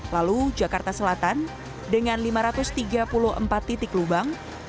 lalu jakarta selatan dengan lima ratus tiga puluh empat titik lubang